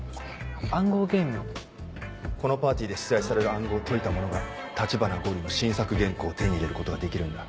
このパーティーで出題される暗号を解いた者が橘五柳の新作原稿を手に入れることができるんだ。